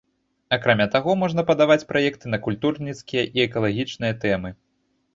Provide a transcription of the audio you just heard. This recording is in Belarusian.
Акрамя таго, можна падаваць праекты на культурніцкія і экалагічныя тэмы.